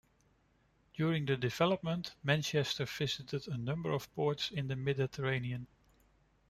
During the deployment "Manchester" visited a number of ports in the Mediterranean.